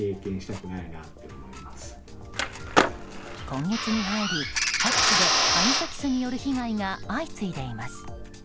今月に入り各地でアニサキスによる被害が相次いでいます。